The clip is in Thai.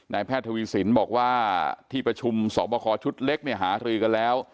แพทย์ทวีสินบอกว่าที่ประชุมสอบคอชุดเล็กเนี่ยหารือกันแล้ว